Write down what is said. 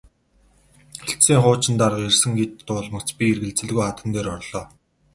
Хэлтсийн хуучин дарга ирсэн гэж дуулмагц би эргэлзэлгүй хадам дээр орлоо.